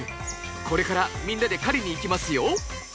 これからみんなで狩りに行きますよ。